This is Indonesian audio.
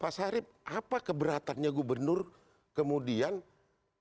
pak sarip apa keberatannya gubernur kemudian mengatakan bahwa ini adalah perangkat rtro